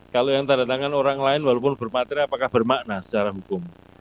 kalau yang tanda tangan orang lain walaupun berpatri apakah bermakna secara hukum